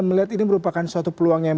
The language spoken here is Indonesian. melihat ini merupakan suatu peluang yang